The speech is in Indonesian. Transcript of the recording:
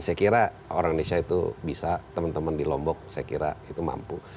saya kira orang indonesia itu bisa teman teman di lombok saya kira itu mampu